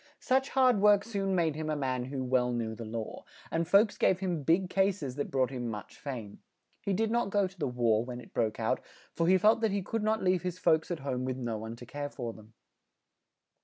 Such hard work soon made him a man who well knew the law; and folks gave him big cases that brought him much fame. He did not go to the war, when it broke out, for he felt that he could not leave his folks at home with no one to care for them.